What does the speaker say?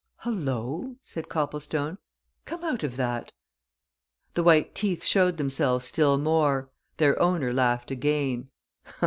"Hullo!" said Copplestone. "Come out of that!" The white teeth showed themselves still more; their owner laughed again.